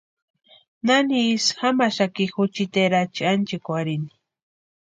¿Nani isï jamaxaki juchiti erachi anchikwarhini?